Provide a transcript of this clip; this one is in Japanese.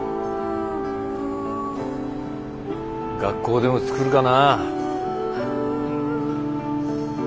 学校でも作るかな。